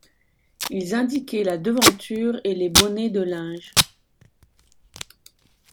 Ils indiquaient la devanture et les bonnets de linge.